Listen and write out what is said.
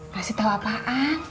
kasih tau apaan